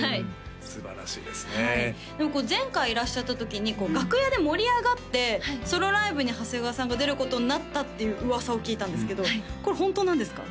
すばらしいですねでも前回いらっしゃった時に楽屋で盛り上がってソロライブに長谷川さんが出ることになったっていう噂を聞いたんですけどこれホントなんですか？